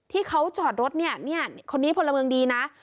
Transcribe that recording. ที่เขาจอดรถเนี่ยคนนี้พลเมืองดีนะ